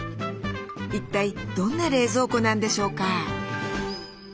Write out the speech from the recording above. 一体どんな冷蔵庫なんでしょうか？